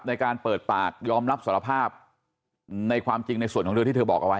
ในการเปิดปากยอมรับสารภาพในความจริงในส่วนของเธอที่เธอบอกเอาไว้